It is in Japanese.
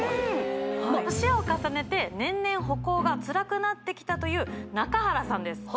年を重ねて年々歩行がツラくなってきたという中原さんです